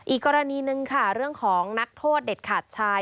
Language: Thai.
อีกกรณีหนึ่งค่ะเรื่องของนักโทษเด็ดขาดชาย